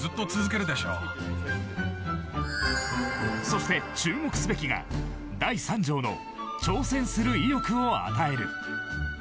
そして、注目すべきが第３条の挑戦する意欲を与える。